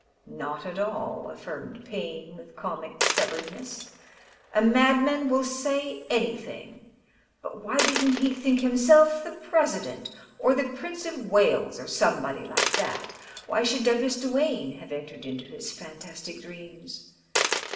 "Not at all," affirmed Payne, with comic stubbornness. "A mad man will say anything. But why didn't he think himself the President, or the Prince of Wales, or somebody like tliat ? Why should Douglas Duane have entered into his fantastic dreams?